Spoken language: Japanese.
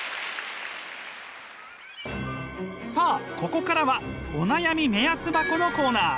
さあここからは「お悩み目安箱」のコーナー。